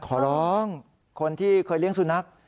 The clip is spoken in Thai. ขอร้องคนที่เคยเลี้ยงสุนัข